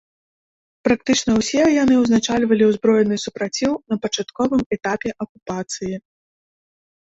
Практычна ўсе яны ўзначальвалі ўзброены супраціў на пачатковым этапе акупацыі.